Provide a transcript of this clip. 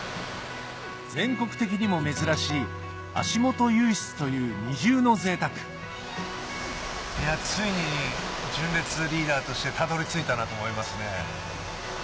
全国的にも珍しい足元湧出という二重の贅沢いやついに純烈・リーダーとしてたどり着いたなと思いますね。